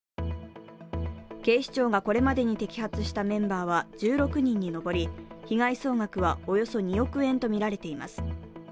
警視庁がこれまでに摘発したメンバーは１６人に上り、被害総額は、およそ２億円とみられています。